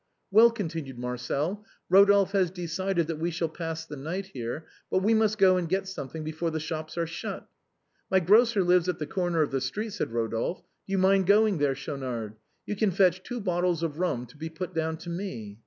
" Well," continued Marcel, " Rodolphe has decided that we shall pass the night here, but we must go and get some thing before the shops are shut." " My grocer lives at the corner of the street," said Rodolphe. " Do you mind going there, Schaunard ? You can fetch two bottles of rum, to be put down to me."